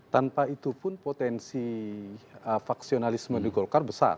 tanpa itu pun potensi faksionalisme di golkar besar